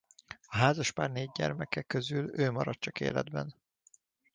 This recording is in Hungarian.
A házaspár négy gyermeke közül ő maradt csak életben.